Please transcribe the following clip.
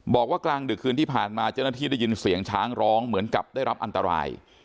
กลางดึกคืนที่ผ่านมาเจ้าหน้าที่ได้ยินเสียงช้างร้องเหมือนกับได้รับอันตราย